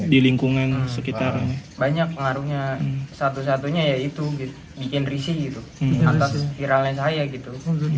di lingkungan sekitar banyak pengaruhnya satu satunya yaitu bikin risih gitu